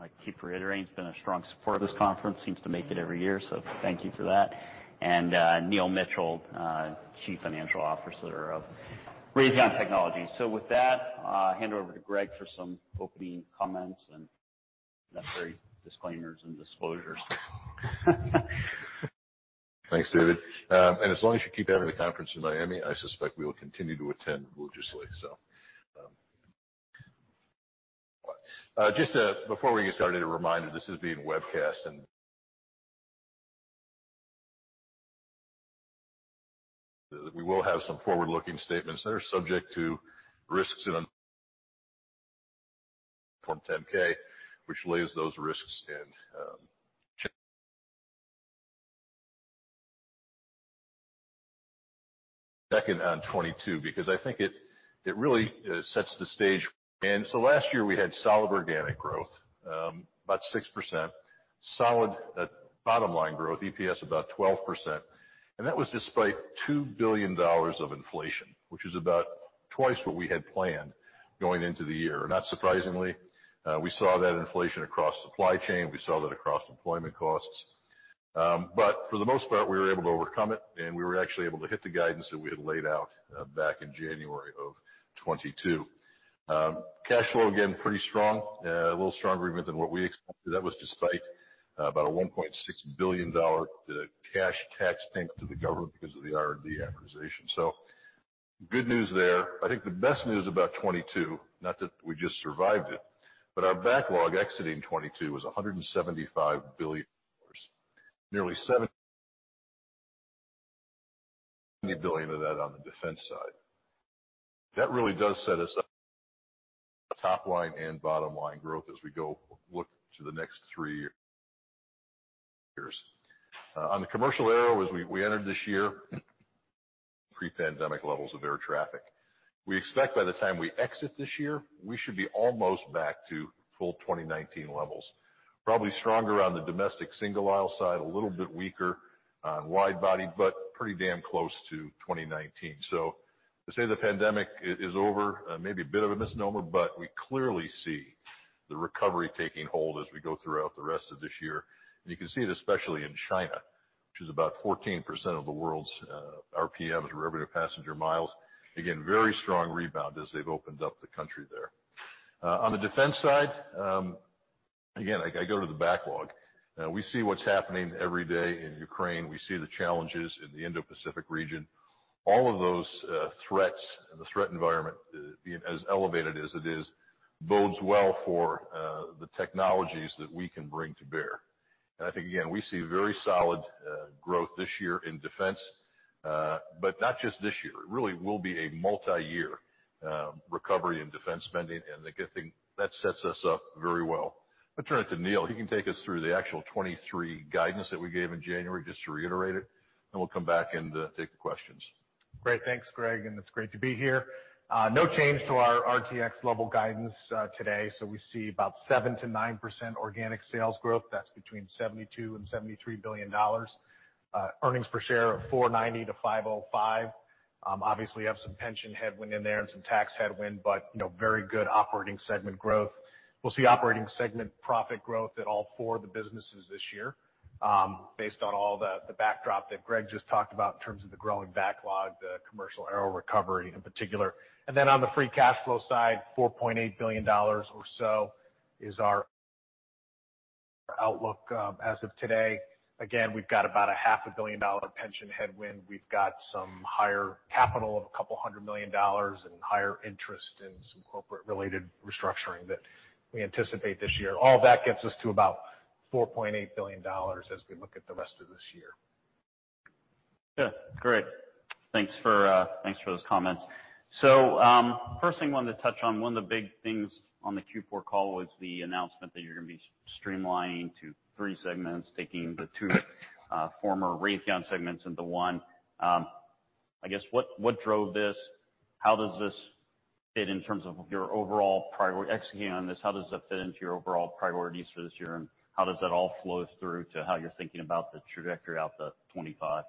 I keep reiterating, he's been a strong supporter of this conference. Seems to make it every year, so thank you for that. Neil Mitchill, Chief Financial Officer of Raytheon Technologies. With that, I'll hand over to Greg for some opening comments and necessary disclaimers and disclosures. Thanks, David. As long as you keep having the conference in Miami, I suspect we will continue to attend religiously. Just before we get started, a reminder, this is being webcast, and we will have some forward-looking statements that are subject to risks and uncertainty. Form 10-K, which lays those risks and, Second on 2022 because I think it really sets the stage. Last year, we had solid organic growth, about 6%, solid bottom line growth, EPS about 12%. That was despite $2 billion of inflation, which is about twice what we had planned going into the year. Not surprisingly, we saw that inflation across supply chain. We saw that across employment costs. For the most part, we were able to overcome it, and we were actually able to hit the guidance that we had laid out back in January of 2022. Cash flow, again, pretty strong. A little stronger even than what we expected. That was despite about a $1.6 billion cash tax payment to the government because of the R&D amortization. Good news there. I think the best news about 2022, not that we just survived it, but our backlog exiting 2022 was $175 billion. Nearly $70 billion of that on the defense side. That really does set us up top line and bottom line growth as we go look to the next 3 years. On the commercial aero, as we entered this year, pre-pandemic levels of air traffic. We expect by the time we exit this year, we should be almost back to full 2019 levels. Probably stronger on the domestic single aisle side, a little bit weaker on wide body, but pretty damn close to 2019. So to say the pandemic is over, may be a bit of a misnomer, but we clearly see the recovery taking hold as we go throughout the rest of this year. You can see it especially in China, which is about 14% of the world's, RPMs, Revenue Passenger Miles. Again, very strong rebound as they've opened up the country there. On the defense side, again, I go to the backlog. We see what's happening every day in Ukraine. We see the challenges in the Indo-Pacific region. All of those threats and the threat environment being as elevated as it is, bodes well for the technologies that we can bring to bear. I think, again, we see very solid growth this year in defense, but not just this year. It really will be a multi-year recovery in defense spending, and I think that sets us up very well. I'll turn it to Neil. He can take us through the actual 23 guidance that we gave in January just to reiterate it. We'll come back and take the questions. Great. Thanks, Greg, it's great to be here. No change to our RTX level guidance today. We see about 7%-9% organic sales growth. That's between $72 billion and $73 billion. Earnings per share of $4.90-$5.05. Obviously have some pension headwind in there and some tax headwind, very good operating segment growth. We'll see operating segment profit growth at all 4 of the businesses this year, based on all the backdrop that Greg just talked about in terms of the growing backlog, the commercial aero recovery in particular. On the free cash flow side, $4.8 billion or so is our outlook as of today. Again, we've got about a half a billion dollar pension headwind. We've got some higher capital of $200 million and higher interest in some corporate-related restructuring that we anticipate this year. All that gets us to about $4.8 billion as we look at the rest of this year. Yeah. Great. Thanks for those comments. First thing I wanted to touch on, one of the big things on the Q4 call was the announcement that you're going to be streamlining to three segments, taking the two former Raytheon segments into one. I guess what drove this? How does that fit into your overall priorities for this year, and how does that all flow through to how you're thinking about the trajectory out to 2025?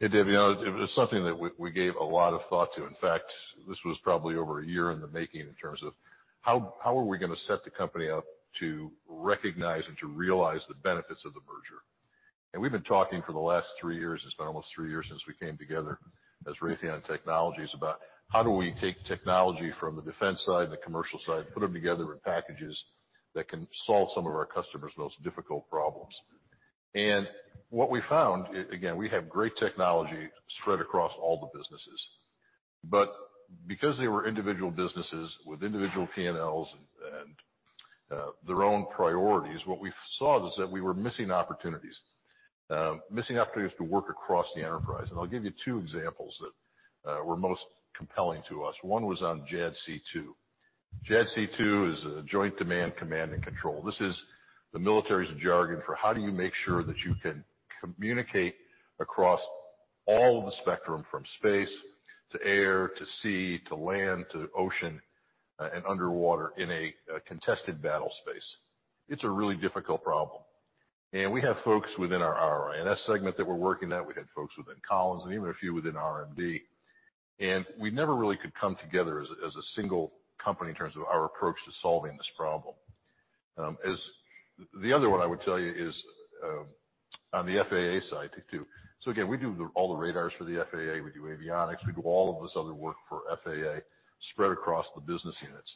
Hey, David, it was something that we gave a lot of thought to. In fact, this was probably over a year in the making in terms of how are we going to set the company up to recognize and to realize the benefits of the merger. We've been talking for the last three years, it's been almost three years since we came together as Raytheon Technologies, about how do we take technology from the defense side and the commercial side and put them together in packages that can solve some of our customers' most difficult problems. What we found, again, we have great technology spread across all the businesses. Because they were individual businesses with individual P&Ls and their own priorities, what we saw was that we were missing opportunities to work across the enterprise. I'll give you two examples that were most compelling to us. One was on JADC2. JADC2 is a Joint All-Domain Command and Control. This is the military's jargon for how do you make sure that you can communicate across all the spectrum, from space to air to sea to land to ocean and underwater in a contested battle space. It's a really difficult problem. We have folks within our RI&S segment that we're working that. We had folks within Collins and even a few within R&D. We never really could come together as a single company in terms of our approach to solving this problem. The other one I would tell you is on the FAA side too. Again, we do all the radars for the FAA, we do avionics, we do all of this other work for FAA spread across the business units.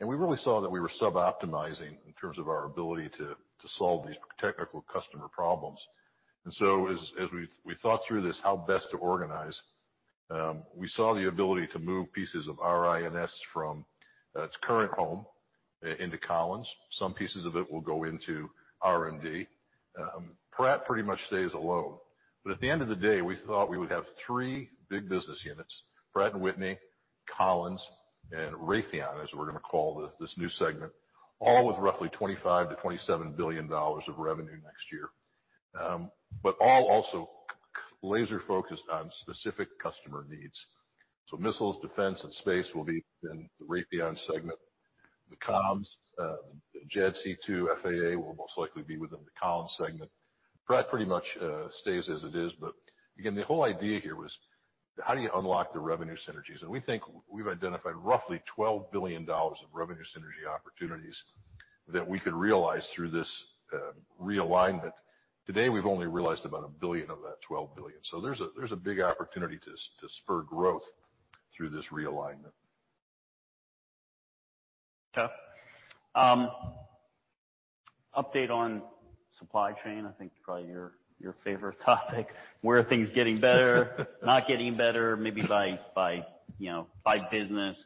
We really saw that we were suboptimizing in terms of our ability to solve these technical customer problems. As we thought through this, how best to organize, we saw the ability to move pieces of RINS from its current home into Collins. Some pieces of it will go into R&D. Pratt pretty much stays alone. At the end of the day, we thought we would have three big business units, Pratt & Whitney, Collins, and Raytheon, as we're going to call this new segment, all with roughly $25 to 27 billion of revenue next year. All also laser focused on specific customer needs. Missiles, defense, and space will be in the Raytheon segment. The comms, JADC2, FAA will most likely be within the Collins segment. Pratt pretty much stays as it is. Again, the whole idea here was, how do you unlock the revenue synergies? We think we've identified roughly $12 billion of revenue synergy opportunities that we could realize through this realignment. Today, we've only realized about $1 billion of that $12 billion. There's a big opportunity to spur growth through this realignment. Yeah. Update on supply chain, I think probably your favorite topic. Where are things not getting better, maybe by business?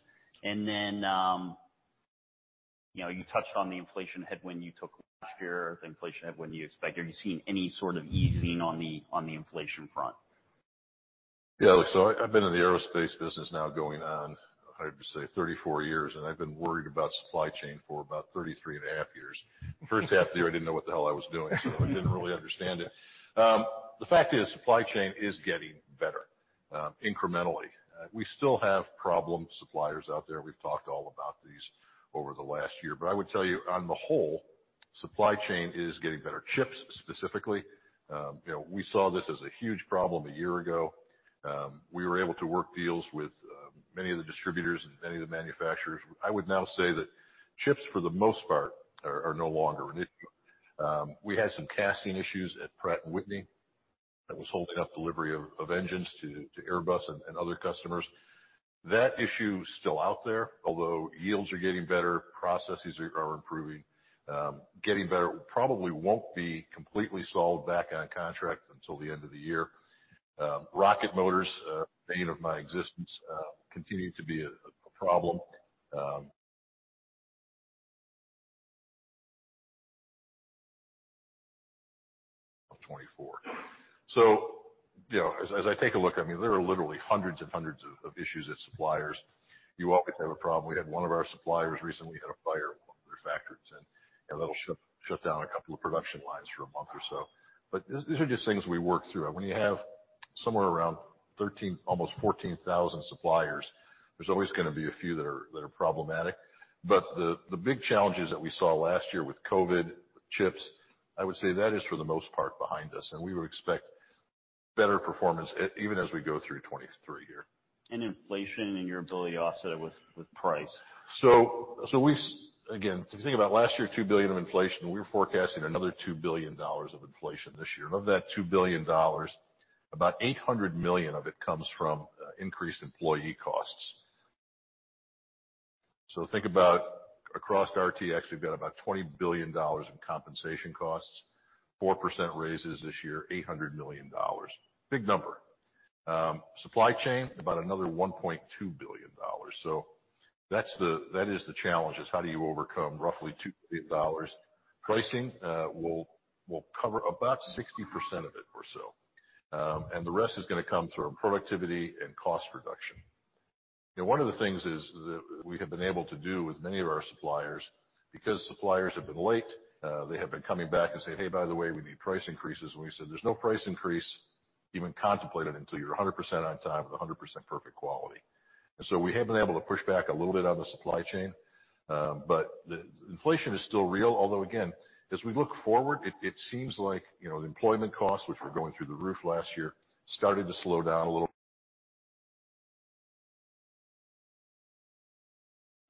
you touched on the inflation headwind you took last year, the inflation headwind you expect. Are you seeing any sort of easing on the, on the inflation front? Yeah. I've been in the aerospace business now going on, I would say 34 years, and I've been worried about supply chain for about 33 and a half years. The first half of the year, I didn't know what the hell I was doing. I didn't really understand it. The fact is, supply chain is getting better, incrementally. We still have problem suppliers out there. We've talked all about these over the last year. I would tell you, on the whole, supply chain is getting better. Chips, specifically, we saw this as a huge problem a year ago. We were able to work deals with many of the distributors and many of the manufacturers. I would now say that chips, for the most part, are no longer an issue. We had some casting issues at Pratt & Whitney that was holding up delivery of engines to Airbus and other customers. That issue is still out there, although yields are getting better, processes are improving. Getting better probably won't be completely solved back on contract until the end of the year. Rocket motors, bane of my existence, continue to be a problem of 2024. As I take a look, there are literally hundreds and hundreds of issues at suppliers. You always have a problem. We had one of our suppliers recently had a fire at one of their factories, and that'll shut down a couple of production lines for a month or so. These are just things we work through, and when you have somewhere around 13, almost 14,000 suppliers, there's always going to be a few that are problematic. The big challenges that we saw last year with COVID, with chips, I would say that is, for the most part, behind us, and we would expect better performance even as we go through 2023 here. Inflation and your ability to offset it with price. Again, if you think about last year, $2 billion of inflation, we were forecasting another $2 billion of inflation this year. Of that $2 billion, about $800 million of it comes from increased employee costs. Think about across RTX, we've got about $20 billion in compensation costs, 4% raises this year, $800 million. Big number. Supply chain, about another $1.2 billion. That is the challenge, is how do you overcome roughly $2 billion. Pricing will cover about 60% of it or so. The rest is going to come from productivity and cost reduction. one of the things is that we have been able to do with many of our suppliers, because suppliers have been late, they have been coming back and saying, "Hey, by the way, we need price increases." We said, "There's no price increase even contemplated until you're 100% on time with 100% perfect quality." We have been able to push back a little bit on the supply chain, but the inflation is still real. Although again, as we look forward, it seems like, the employment costs, which were going through the roof last year, started to slow down a little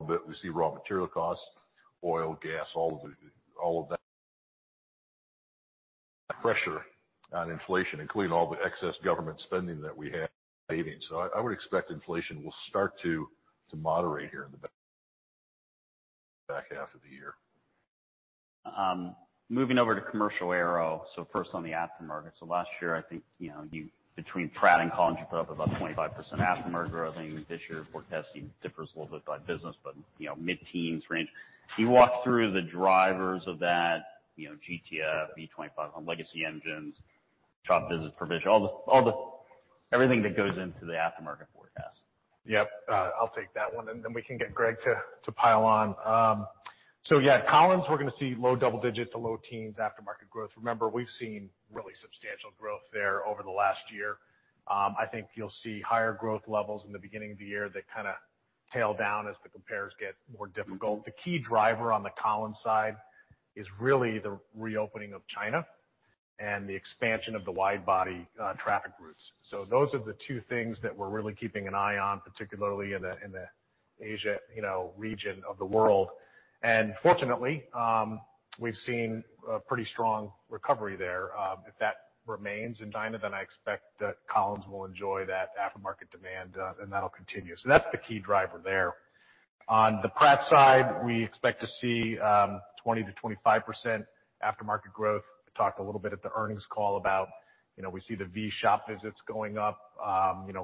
bit. We see raw material costs, oil, gas, all of that pressure on inflation, including all the excess government spending that we had. I would expect inflation will start to moderate here in the back half of the year. Moving over to commercial aero. First on the aftermarket. Last year, you between Pratt and Collins, you put up about 25% aftermarket growth. This year's forecasting differs a little bit by business, but, mid-teens range. Can you walk through the drivers of that, GTF, V2500, legacy engines, shop visit provision, Everything that goes into the aftermarket forecast? Yep. I'll take that one, and then we can get Greg to pile on. Yeah, Collins, we're going to see low double digits to low teens aftermarket growth. Remember, we've seen really substantial growth there over the last year. I think you'll see higher growth levels in the beginning of the year that kinda tail down as the compares get more difficult. The key driver on the Collins side is really the reopening of China. The expansion of the wide body traffic routes. Those are the two things that we're really keeping an eye on, particularly in the Asia region of the world. Fortunately, we've seen a pretty strong recovery there. If that remains in China, then I expect that Collins will enjoy that aftermarket demand, and that'll continue. That's the key driver there. On the Pratt side, we expect to see 20%-25% aftermarket growth. I talked a little bit at the earnings call about, we see the V shop visits going up,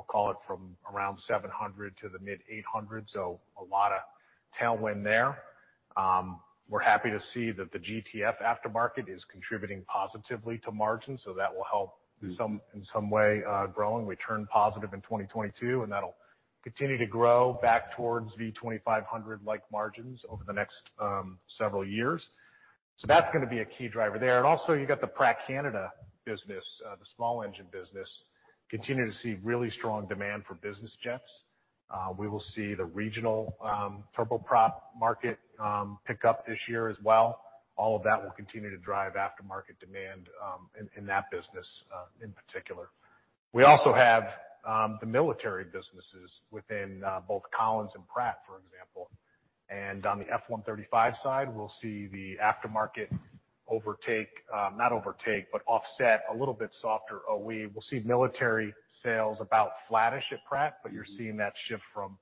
call it from around 700 to the mid-800, a lot of tailwind there. We're happy to see that the GTF aftermarket is contributing positively to margin, that will help- Mm-hmm in some way, growing. That'll continue to grow back towards V2500 like margins over the next several years. That's going to be a key driver there. Also, you've got the Pratt Canada business, the small engine business, continue to see really strong demand for business jets. We will see the regional turboprop market pick up this year as well. All of that will continue to drive aftermarket demand in that business in particular. We also have the military businesses within both Collins and Pratt, for example. On the F135 side, we'll see the aftermarket overtake, not overtake, but offset a little bit softer OE. We'll see military sales about flattish at Pratt. Mm-hmm You're seeing that shift from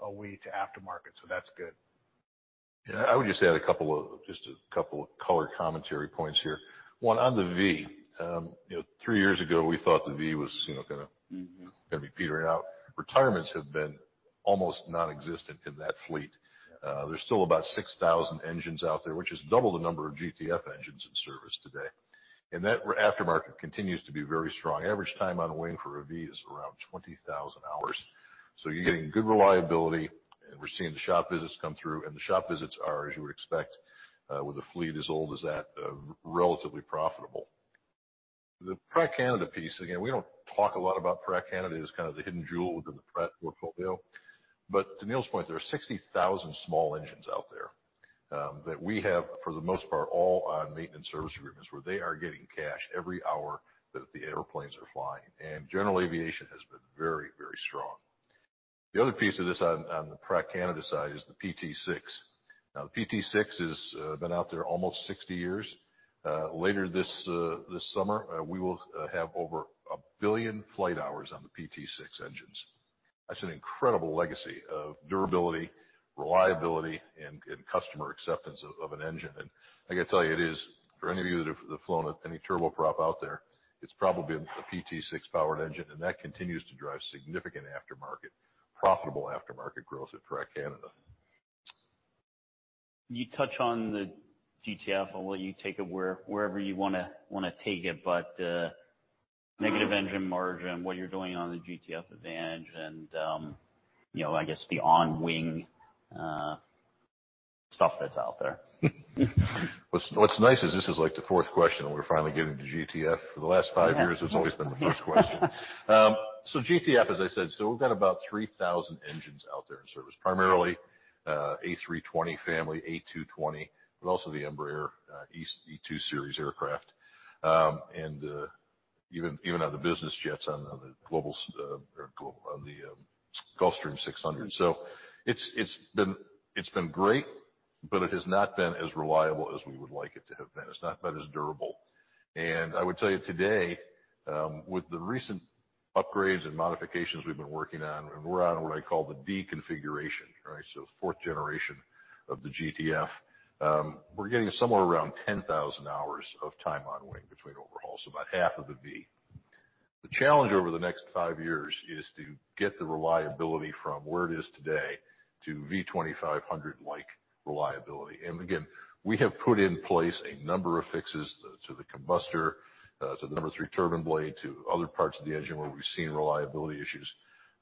OE to aftermarket, so that's good. Yeah. I would just add a couple of, just a couple of color commentary points here. One, on the V, three years ago, we thought the V was,. Mm-hmm Going to be petering out. Retirements have been almost nonexistent in that fleet. There's still about 6,000 engines out there, which is double the number of GTF engines in service today. That aftermarket continues to be very strong. Average time on a wing for a V is around 20,000 hours. You're getting good reliability, and we're seeing the shop visits come through, and the shop visits are, as you would expect, with a fleet as old as that, relatively profitable. The Pratt Canada piece, again, we don't talk a lot about Pratt Canada as kind of the hidden jewel within the Pratt portfolio. To Neil's point, there are 60,000 small engines out there, that we have, for the most part, all on maintenance service agreements, where they are getting cash every hour that the airplanes are flying. General aviation has been very, very strong. The other piece of this on the Pratt Canada side is the PT6. Now, the PT6 has been out there almost 60 years. Later this summer, we will have over 1 billion flight hours on the PT6 engines. That's an incredible legacy of durability, reliability, and customer acceptance of an engine. I gotta tell you, it is, for any of you that have, that have flown any turboprop out there, it's probably a PT6 powered engine, and that continues to drive significant aftermarket, profitable aftermarket growth at Pratt Canada. You touch on the GTF, I'll let you take it where, wherever you want to take it, but. Mm-hmm Negative engine margin, what you're doing on the GTF Advantage and I guess the on-wing stuff that's out there. What's nice is this is like the fourth question. We're finally getting to GTF. For the last five years- Yeah. It's always been the first question. GTF, as I said, we've got about 3,000 engines out there in service, primarily A320 family, A220, but also the Embraer E2 series aircraft. Even on the business jets on the Gulfstream G600. It's been great, but it has not been as reliable as we would like it to have been. It's not been as durable. I would tell you today, with the recent upgrades and modifications we've been working on, and we're on what I call the D configuration, right? Fourth generation of the GTF. We're getting somewhere around 10,000 hours of time on wing between overhauls, so about half of the V. The challenge over the next five years is to get the reliability from where it is today to V2500-like reliability. Again, we have put in place a number of fixes to the combustor, to the number three turbine blade, to other parts of the engine where we've seen reliability issues.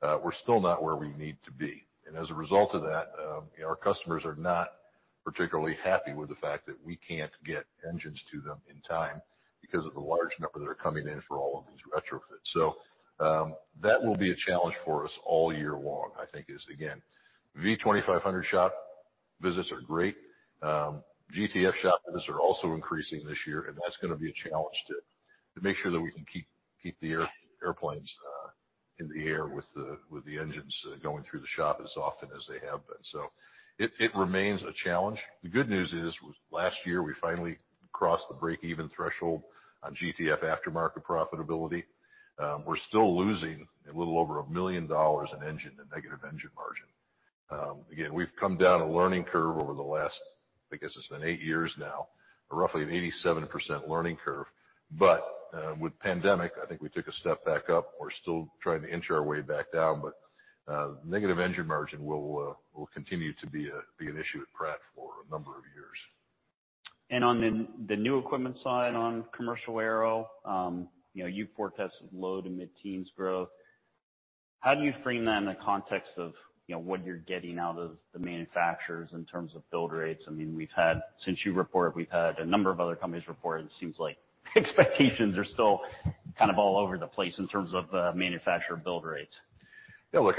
We're still not where we need to be. As a result of that, our customers are not particularly happy with the fact that we can't get engines to them in time because of the large number that are coming in for all of these retrofits. That will be a challenge for us all year long, I think is again, V2500 shop visits are great. GTF shop visits are also increasing this year, and that's going to be a challenge to make sure that we can keep the airplanes in the air with the engines going through the shop as often as they have been. It remains a challenge. The good news is, last year, we finally crossed the break-even threshold on GTF aftermarket profitability. We're still losing a little over $1 million in negative engine margin. Again, we've come down a learning curve over the last, I guess it's been 8 years now, roughly an 87% learning curve. With pandemic, I think we took a step back up. We're still trying to inch our way back down, but negative engine margin will continue to be an issue at Pratt for a number of years. On the new equipment side on commercial aero, you've forecasted low to mid-teens growth. How do you frame that in the context of, what you're getting out of the manufacturers in terms of build rates? I mean, we've had, since you reported, we've had a number of other companies report, and it seems like expectations are still kind of all over the place in terms of manufacturer build rates. Yeah, look,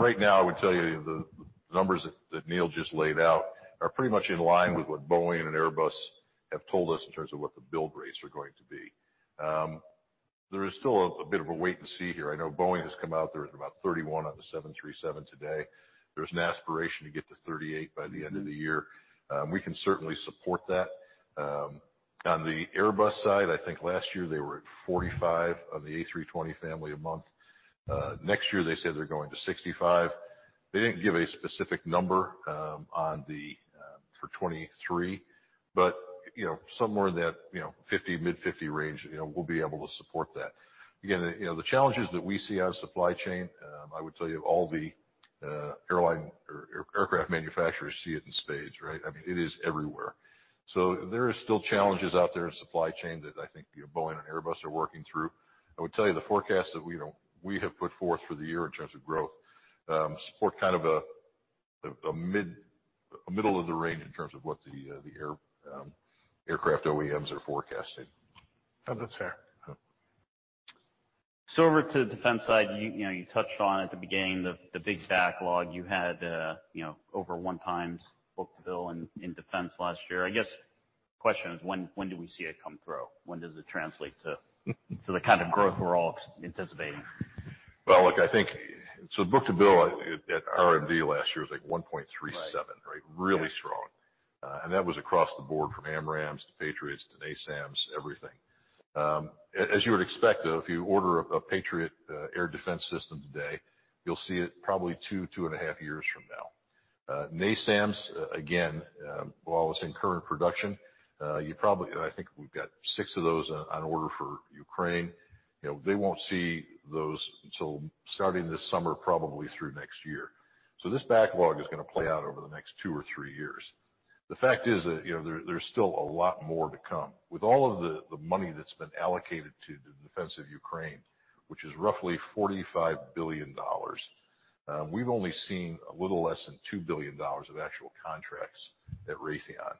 right now I would tell you the numbers that Neil just laid out are pretty much in line with what Boeing and Airbus have told us in terms of what the build rates are going to be. There is still a bit of a wait and see here. I know Boeing has come out. They're at about 31 on the 737 today. There's an aspiration to get to 38 by the end of the year. We can certainly support that. On the Airbus side, I think last year they were at 45 on the A320 family a month. Next year they say they're going to 65. They didn't give a specific number on the for 2023. Somewhere in that, 50, mid-50 range, we'll be able to support that. Again, the challenges that we see out of supply chain, I would tell you all the airline or aircraft manufacturers see it in spades, right? I mean, it is everywhere. There is still challenges out there in supply chain that. Boeing and Airbus are working through. I would tell you the forecast that we have put forth for the year in terms of growth, support kind of a middle of the range in terms of what the air aircraft OEMs are forecasting. That's fair. Yeah. Over to the defense side you touched on at the beginning the big backlog you had over one times book-to-bill in defense last year. I guess the question is when do we see it come through? When does it translate to the kind of growth we're all anticipating? Well, look, book-to-bill at RMD last year was, like, 1.37, right? Right. Yeah. Really strong. That was across the board from AMRAAMs to Patriots to NASAMS, everything. As you would expect, though, if you order a Patriot air defense system today, you'll see it probably 2 and a half years from now. NASAMS, again, while it's in current production, I think we've got 6 of those on order for Ukraine. They won't see those until starting this summer, probably through next year. This backlog is going to play out over the next two or three years. The fact is that, there's still a lot more to come. With all of the money that's been allocated to the defense of Ukraine, which is roughly $45 billion, we've only seen a little less than $2 billion of actual contracts at Raytheon.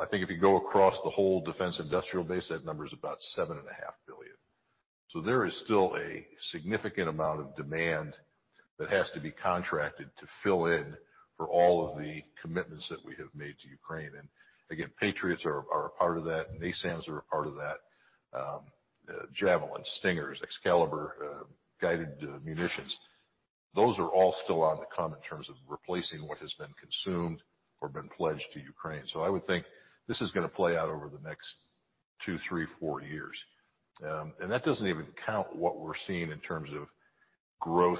I think if you go across the whole defense industrial base, that number is about $7.5 billion. There is still a significant amount of demand that has to be contracted to fill in for all of the commitments that we have made to Ukraine. Again, Patriot are a part of that. NASAMS are a part of that. Javelin, Stinger, Excalibur, guided munitions, those are all still on to come in terms of replacing what has been consumed or been pledged to Ukraine. I would think this is going to play out over the next 2, 3, 4 years. And that doesn't even count what we're seeing in terms of growth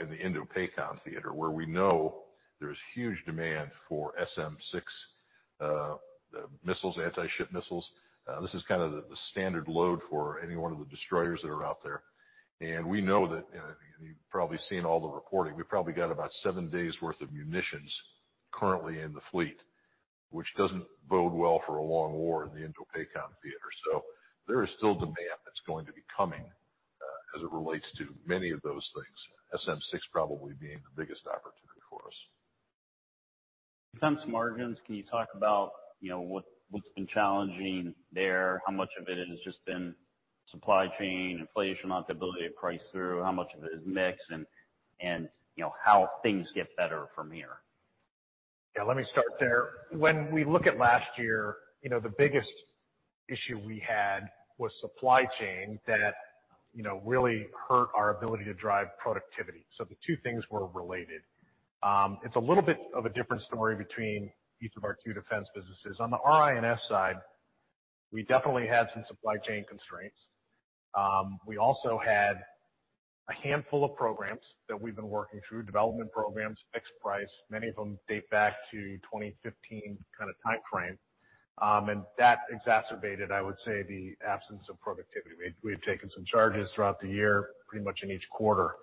in the INDO-PACOM theater, where we know there's huge demand for SM-6 missiles, anti-ship missiles. This is kind of the standard load for any one of the destroyers that are out there. We know that, and, I mean, you've probably seen all the reporting. We've probably got about seven days worth of munitions currently in the fleet, which doesn't bode well for a long war in the INDO-PACOM theater. There is still demand that's going to be coming, as it relates to many of those things, SM-6 probably being the biggest opportunity for us. Defense margins, can you talk about what's been challenging there? How much of it has just been supply chain, inflation, not the ability to price through? How much of it is mix and how things get better from here? Yeah, let me start there. When we look at last year, the biggest issue we had was supply chain that, really hurt our ability to drive productivity. The two things were related. It's a little bit of a different story between each of our two defense businesses. On the RINS side, we definitely had some supply chain constraints. We also had a handful of programs that we've been working through, development programs, fixed price. Many of them date back to 2015 kind of timeframe. That exacerbated, I would say, the absence of productivity. We had taken some charges throughout the year, pretty much in each quarter.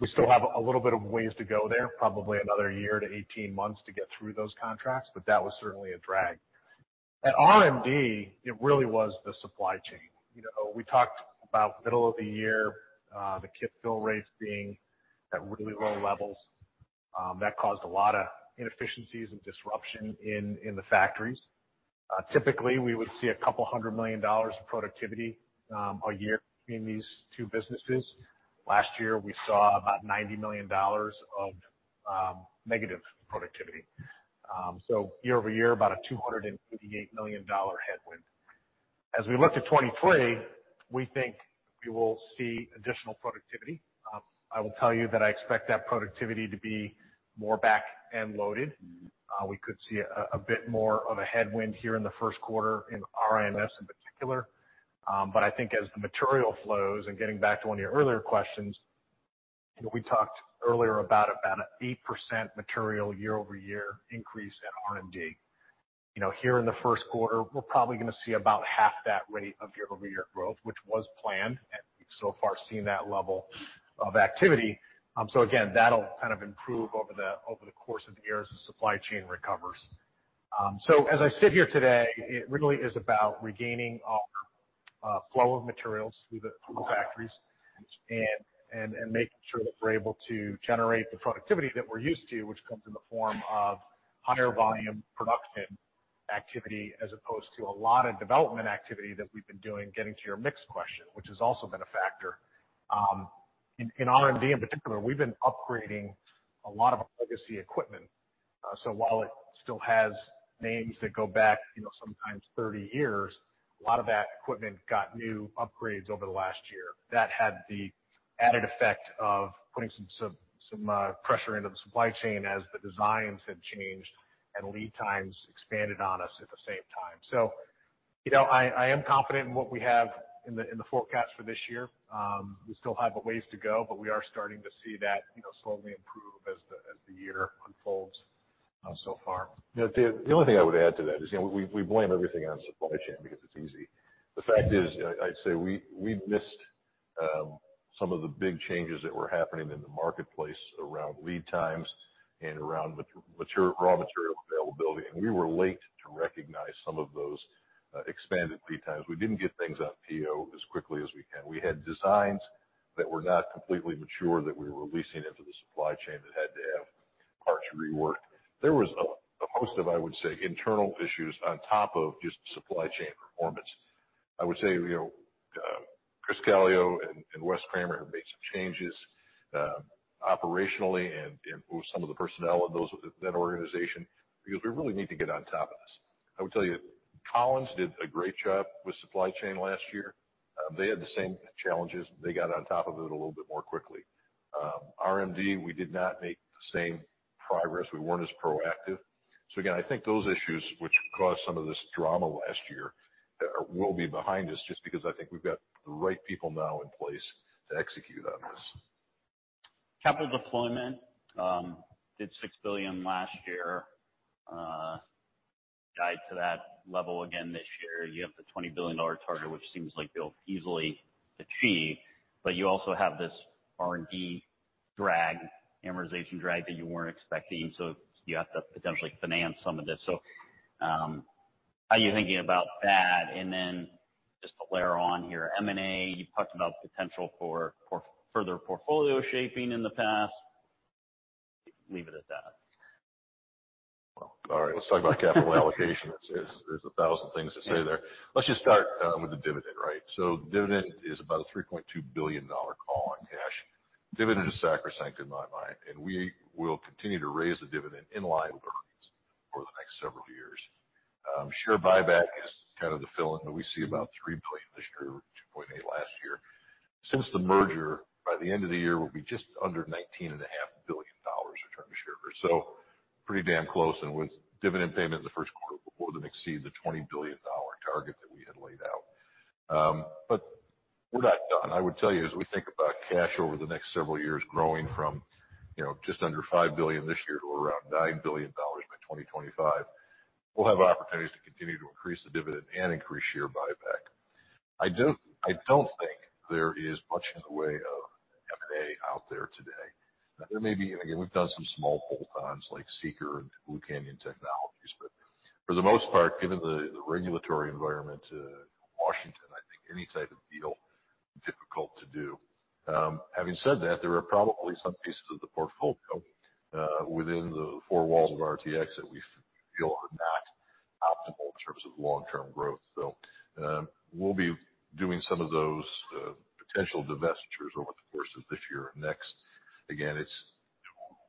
We still have a little bit of ways to go there, probably another year to 18 months to get through those contracts, but that was certainly a drag. At RMD, it really was the supply chain. we talked about middle of the year, the kit fill rates being at really low levels. That caused a lot of inefficiencies and disruption in the factories. Typically, we would see $200 million of productivity a year between these two businesses. Last year, we saw about $90 million of negative productivity. Year-over-year, about a $258 million headwind. As we look to 2023, we think we will see additional productivity. I will tell you that I expect that productivity to be more back end loaded. We could see a bit more of a headwind here in the Q1 in RINS in particular. I think as the material flows, and getting back to one of your earlier questions, we talked earlier about an 8% material year-over-year increase at RMD. here in the Q1, we're probably going to see about half that rate of year-over-year growth, which was planned. We've so far seen that level of activity. Again, that'll kind of improve over the course of the year as the supply chain recovers. As I sit here today, it really is about regaining our flow of materials through the factories and making sure that we're able to generate the productivity that we're used to, which comes in the form of higher volume production activity as opposed to a lot of development activity that we've been doing, getting to your mix question, which has also been a factor. In R&D in particular, we've been upgrading a lot of our legacy equipment. While it still has names that go back, sometimes 30 years, a lot of that equipment got new upgrades over the last year. That had the added effect of putting some pressure into the supply chain as the designs have changed and lead times expanded on us at the same time. I am confident in what we have in the forecast for this year. We still have a ways to go, but we are starting to see that, slowly improve as the year unfolds, so far. Dave, the only thing I would add to that is, we blame everything on supply chain because it's easy. The fact is, I'd say we missed some of the big changes that were happening in the marketplace around lead times and around raw material availability, and we were late to recognize some of those expanded lead times. We didn't get things out PO as quickly as we can. We had designs that were not completely mature that we were releasing into the supply chain that had to have parts reworked. There was a host of, I would say, internal issues on top of just supply chain performance. I would say, Chris Calio and Wes Kramer have made some changes, operationally and with some of the personnel of that organization, because we really need to get on top of this. I would tell you, Collins did a great job with supply chain last year. They had the same challenges. They got on top of it a little bit more quickly. RMD, we did not make the same progress. We weren't as proactive. Again, I think those issues which caused some of this drama last year, will be behind us just because I think we've got the right people now in place to execute on this. Capital deployment, did $6 billion last year, guide to that level again this year. You have the $20 billion target, which seems like you'll easily achieve, but you also have this R&D drag, amortization drag that you weren't expecting, so you have to potentially finance some of this. How are you thinking about that? Just to layer on here, M&A, you've talked about the potential for further portfolio shaping in the past. Leave it at that. All right. Let's talk about capital allocation. There's a thousand things to say there. Let's just start with the dividend, right? Dividend is about a $3.2 billion call on cash. Dividend is sacrosanct in my mind, and we will continue to raise the dividend in line with earnings for the next several years. Share buyback is kind of the fill-in, but we see about three point this year, $2.8 billion last year. Since the merger, by the end of the year, we'll be just under nineteen and a half billion dollars return to shareholders. Pretty damn close, and with dividend payment in the Q1, we'll more than exceed the $20 billion target that we had laid out. We're not done. I would tell you, as we think about cash over the next several years growing from, just under $5 billion this year to around $9 billion by 2025, we'll have opportunities to continue to increase the dividend and increase share buyback. I don't think there is much in the way of M&A out there today. There may be, and again, we've done some small pull times like SEAKR and Blue Canyon Technologies, but for the most part, given the regulatory environment in Washington, I think any type of deal, difficult to do. Having said that, there are probably some pieces of the portfolio within the four walls of RTX that we feel are not optimal in terms of long-term growth. We'll be doing some of those potential divestitures over the course of this year and next. Again,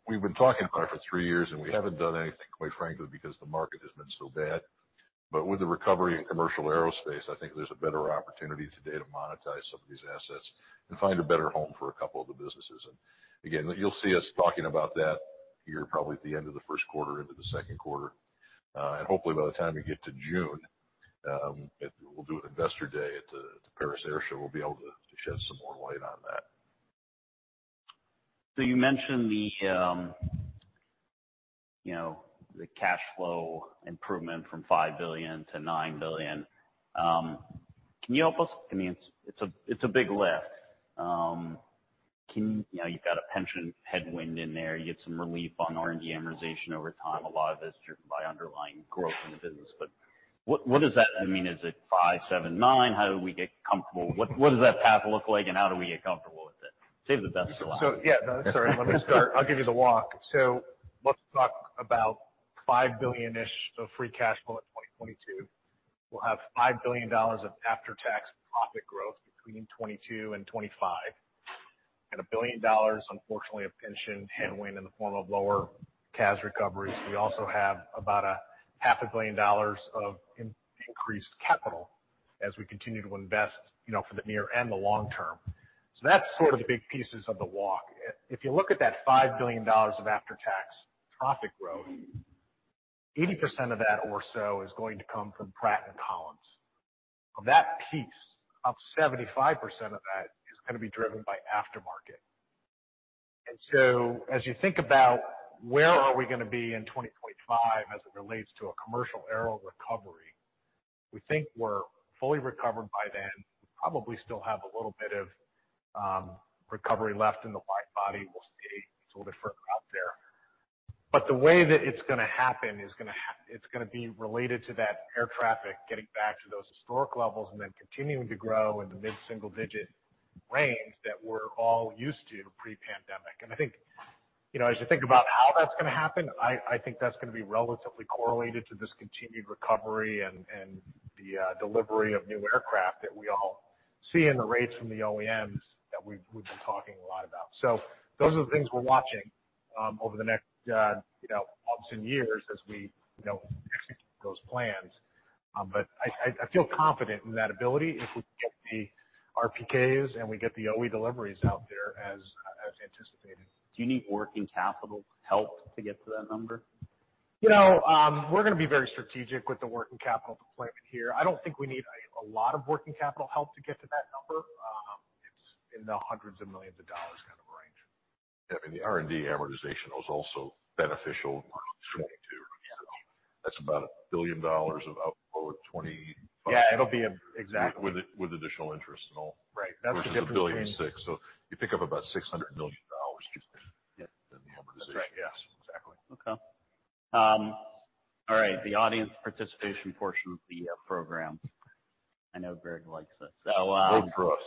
We've been talking about it for three years, and we haven't done anything, quite frankly, because the market has been so bad. With the recovery in commercial aerospace, I think there's a better opportunity today to monetize some of these assets and find a better home for a couple of the businesses. Hopefully, by the time we get to June, we'll do an investor day at the Paris Air Show. We'll be able to shed some more light on that. You mentioned the cash flow improvement from $5 billion to $9 billion. Can you help us? I mean, it's a big lift. You've got a pension headwind in there. You get some relief on R&D amortization over time. A lot of it is driven by underlying growth in the business. What? I mean, is it $5 billion, $7 billion, $9 billion? How do we get comfortable? What does that path look like, and how do we get comfortable with it? Save the best for last. Yeah. No, sorry. Let me start. I'll give you the walk. Let's talk about $5 billion-ish of free cash flow at 2022. We'll have $5 billion of after-tax profit growth between 2022 and 2025, and $1 billion, unfortunately, of pension headwind in the form of lower CAS recoveries. We also have about a half a billion dollars of increased capital as we continue to invest, for the near and the long term. That's sort of the big pieces of the walk. If you look at that $5 billion of after-tax profit growth, 80% of that or so is going to come from Pratt & Collins. Of that piece, up 75% of that is going to be driven by aftermarket. As you think about where are we going to be in 2025 as it relates to a commercial aero recovery, we think we're fully recovered by then, probably still have a little bit of recovery left in the wide body. We'll see. It's a little bit further out there. The way that it's going to happen it's going to be related to that air traffic getting back to those historic levels and then continuing to grow in the mid-single-digit range that we're all used to pre-pandemic. As you think about how that's going to happen, I think that's going to be relatively correlated to this continued recovery and the delivery of new aircraft that we all see in the rates from the OEMs that we've been talking a lot about. Those are the things we're watching, over the next, months and years as we execute those plans. I, I feel confident in that ability if we get the RPKs and we get the OE deliveries out there as anticipated. Do you need working capital help to get to that number? we're going to be very strategic with the working capital deployment here. I don't think we need a lot of working capital help to get to that number. It's in the hundreds of millions of dollars kind of range. Yeah, I mean, the R&D amortization was also beneficial in 2022. That's about $1 billion of outflow at 25- Yeah, exactly. With additional interest and all. Right. That's the difference between. Versus the $1.6 billion. You pick up about $600 million in the amortization. That's right. Yes. Exactly. Okay. All right, the audience participation portion of the program. I know Greg likes it, so. Good for us.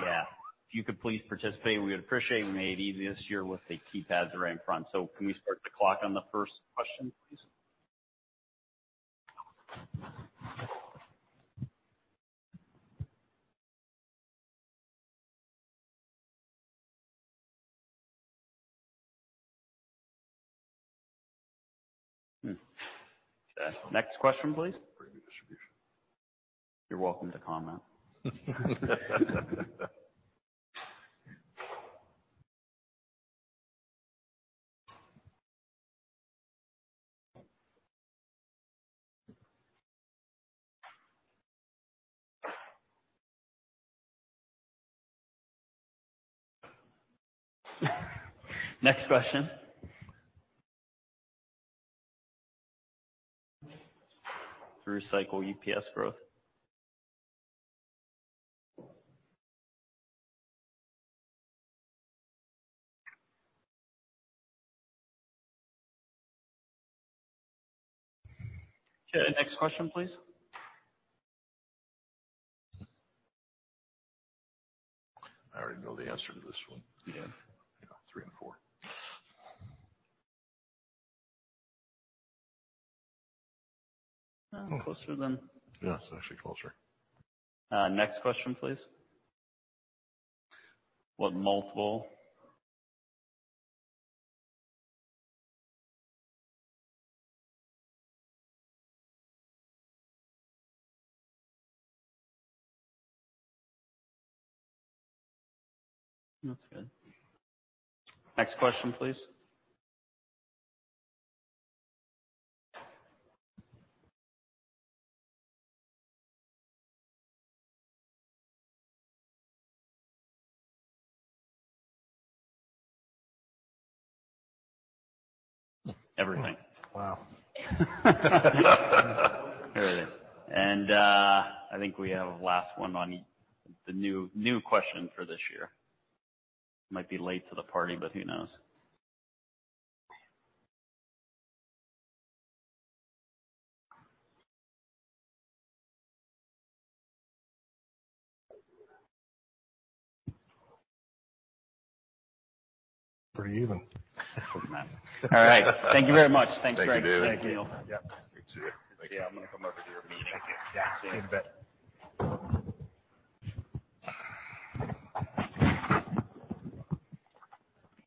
Yeah. If you could please participate, we would appreciate. We made it easy this year with the keypads right in front. Can we start the clock on the first question, please? Next question, please. Preview distribution. You're welcome to comment. Next question. Through cycle EPS growth. Okay, next question, please. I already know the answer to this one. Yeah. three and four. Closer than Yeah, it's actually closer. Next question, please. What multiple? That's good. Next question, please. Everything. Wow. Here it is. I think we have a last one on the new question for this year. Might be late to the party, but who knows? Pretty even. All right. Thank you very much. Thanks, Greg. Thank you, David. Thank you. Yeah. Good to see you. Yeah, I'm going to come over to your meeting. Yeah, see you. In a bit.